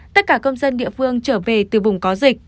tất cả công dân địa phương trở về từ vùng có dịch